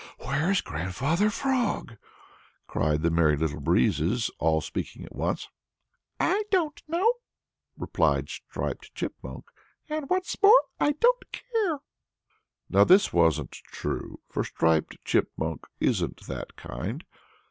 Where's Grandfather Frog?" cried the Merry Little Breezes, all speaking at once. "I don't know," replied Striped Chipmunk, "and what's more, I don't care!" Now this wasn't true, for Striped Chipmunk isn't that kind.